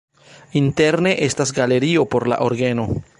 Interne estas galerio por la orgeno.